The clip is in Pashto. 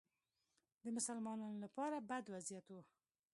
د مسلمانانو لپاره بد وضعیت و